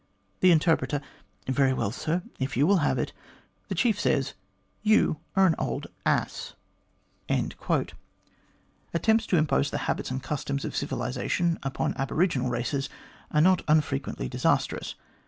" The Interpreter: 'Very well, sir, if you will have it, the chief says you are an old ass.'" 180 THE GLADSTONE COLONY Attempts to impose the habits and customs of civilisation upon aboriginal races are not unfrequently disastrous.